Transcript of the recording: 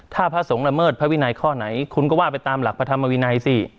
ถ้าพระสงฆ์ละเมิดพระวินัยข้อไหนคุณก็ว่าไปตามหลักพระธรรมวินัยสิ